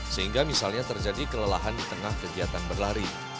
sehingga misalnya terjadi kelelahan di tengah kegiatan berlari